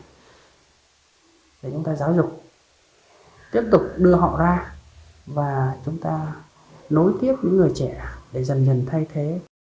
để có thời gian để chúng ta giáo dục tiếp tục đưa họ ra và chúng ta nối tiếp những người trẻ để dần dần thay thế